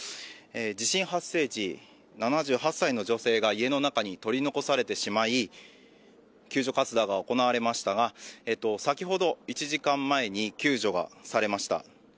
地震発生時、７８歳の女性が家の中に取り残されてしまい、救助活動が行われましたが、先ほど１時間前に救助されました。